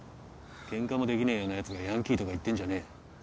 ケンカもできねえようなやつがヤンキーとか言ってんじゃねえよ。